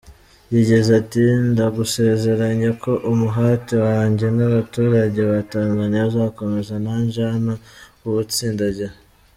Yagize ati “Ndagusezeranya ko umuhate wanjye n’abaturage ba Tanzania uzakomeza, naje hano kuwutsindagira.